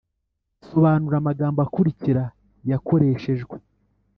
sobanura amagambo akurikira yakoreshejwe